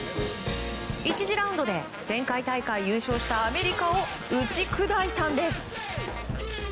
１次ラウンドで前回大会優勝したアメリカを打ち砕いたんです。